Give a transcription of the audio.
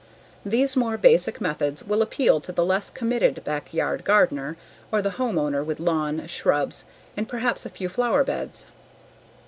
These more basic methods will appeal to the less committed backyard gardener or the homeowner with lawn, shrubs, and perhaps a few flower beds.